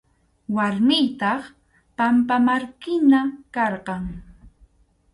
Warmiytaq pampamarkina karqan.